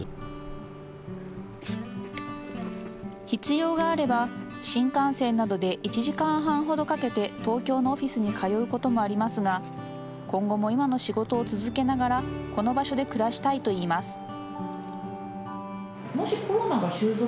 必要があれば、新幹線などで１時間半ほどかけて、東京のオフィスに通うこともありますが、今後も今の仕事を続けながら、この場所で暮らしたいといいます。